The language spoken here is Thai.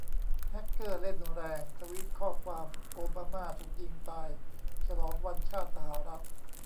แฮ็กเกอร์เล่นแรง ทวีตข้อความ"โอบามา"ถูกยิงตายฉลองวันชาติสหรัฐ